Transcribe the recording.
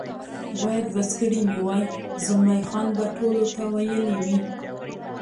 باید بس کړي مې وای، زلمی خان به ټولو ته ویلي وي.